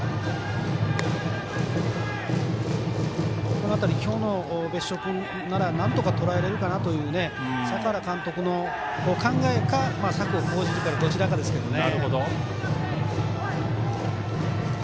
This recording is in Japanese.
この辺り、今日の別所君ならなんとかとらえれるかなという坂原監督の考えか策を講じるかのどちらかですね。